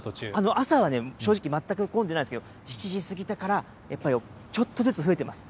朝はね、正直、全く混んでないんですけど、７時過ぎてからちょっとずつ増えてます。